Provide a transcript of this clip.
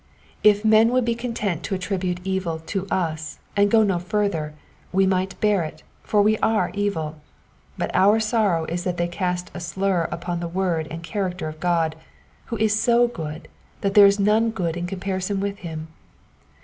If men would bo content to attribute evil to t/«, and go no further, we might bear it, for we are evil ; but our sorrow is that they cast a slur upon the word and character of God, who is so good, that there is none good in comparison with him.